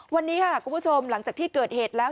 วันนี้ค่ะคุณผู้ชมหลังจากที่เกิดเหตุแล้ว